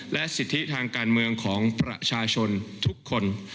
และสิทธิทางการเมืองของประชาชนทุกคน